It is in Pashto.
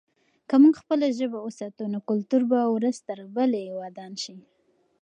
که موږ خپله ژبه وساتو، نو کلتور به ورځ بلې ورځې ودان شي.